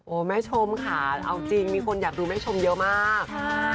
แม่ชมค่ะเอาจริงมีคนอยากดูแม่ชมเยอะมาก